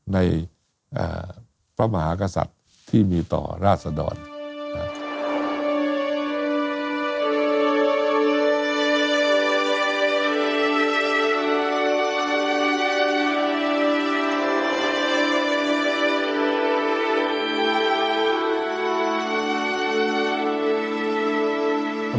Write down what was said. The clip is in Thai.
ในพระมหากษัตริย์ที่มีต่อราศดรครับ